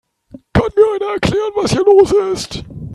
Kann mir einer erklären, was hier los ist?